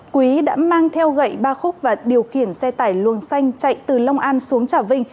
quý đã mang theo gậy ba khúc và điều khiển xe tải luồng xanh chạy từ long an xuống trà vinh